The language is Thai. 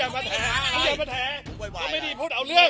ก็ไม่ได้พูดเอาเรื่อง